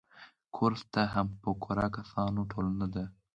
کورس د همفکره کسانو ټولنه ده.